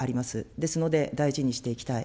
ですので大事にしていきたい。